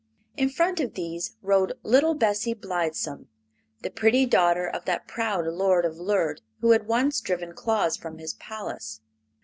In front of these rode little Bessie Blithesome, the pretty daughter of that proud Lord of Lerd who had once driven Claus from his palace.